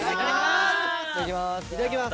いただきます！